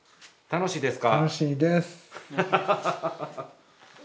楽しいです。